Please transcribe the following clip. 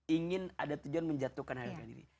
ingin ada tujuan menjatuhkan harga diri